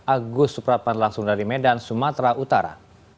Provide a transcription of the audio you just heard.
agus suprapan langsung dari medan sumatera utara